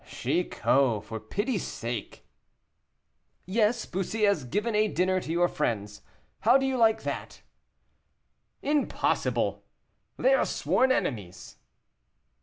"Chicot, for pity's sake " "Yes; Bussy has given a dinner to your friends; how do you like that?" "Impossible! They are sworn enemies."